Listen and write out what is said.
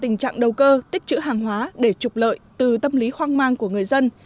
tình trạng đầu cơ tích chữ hàng hóa để trục lợi từ tâm lý hoang mang của người dân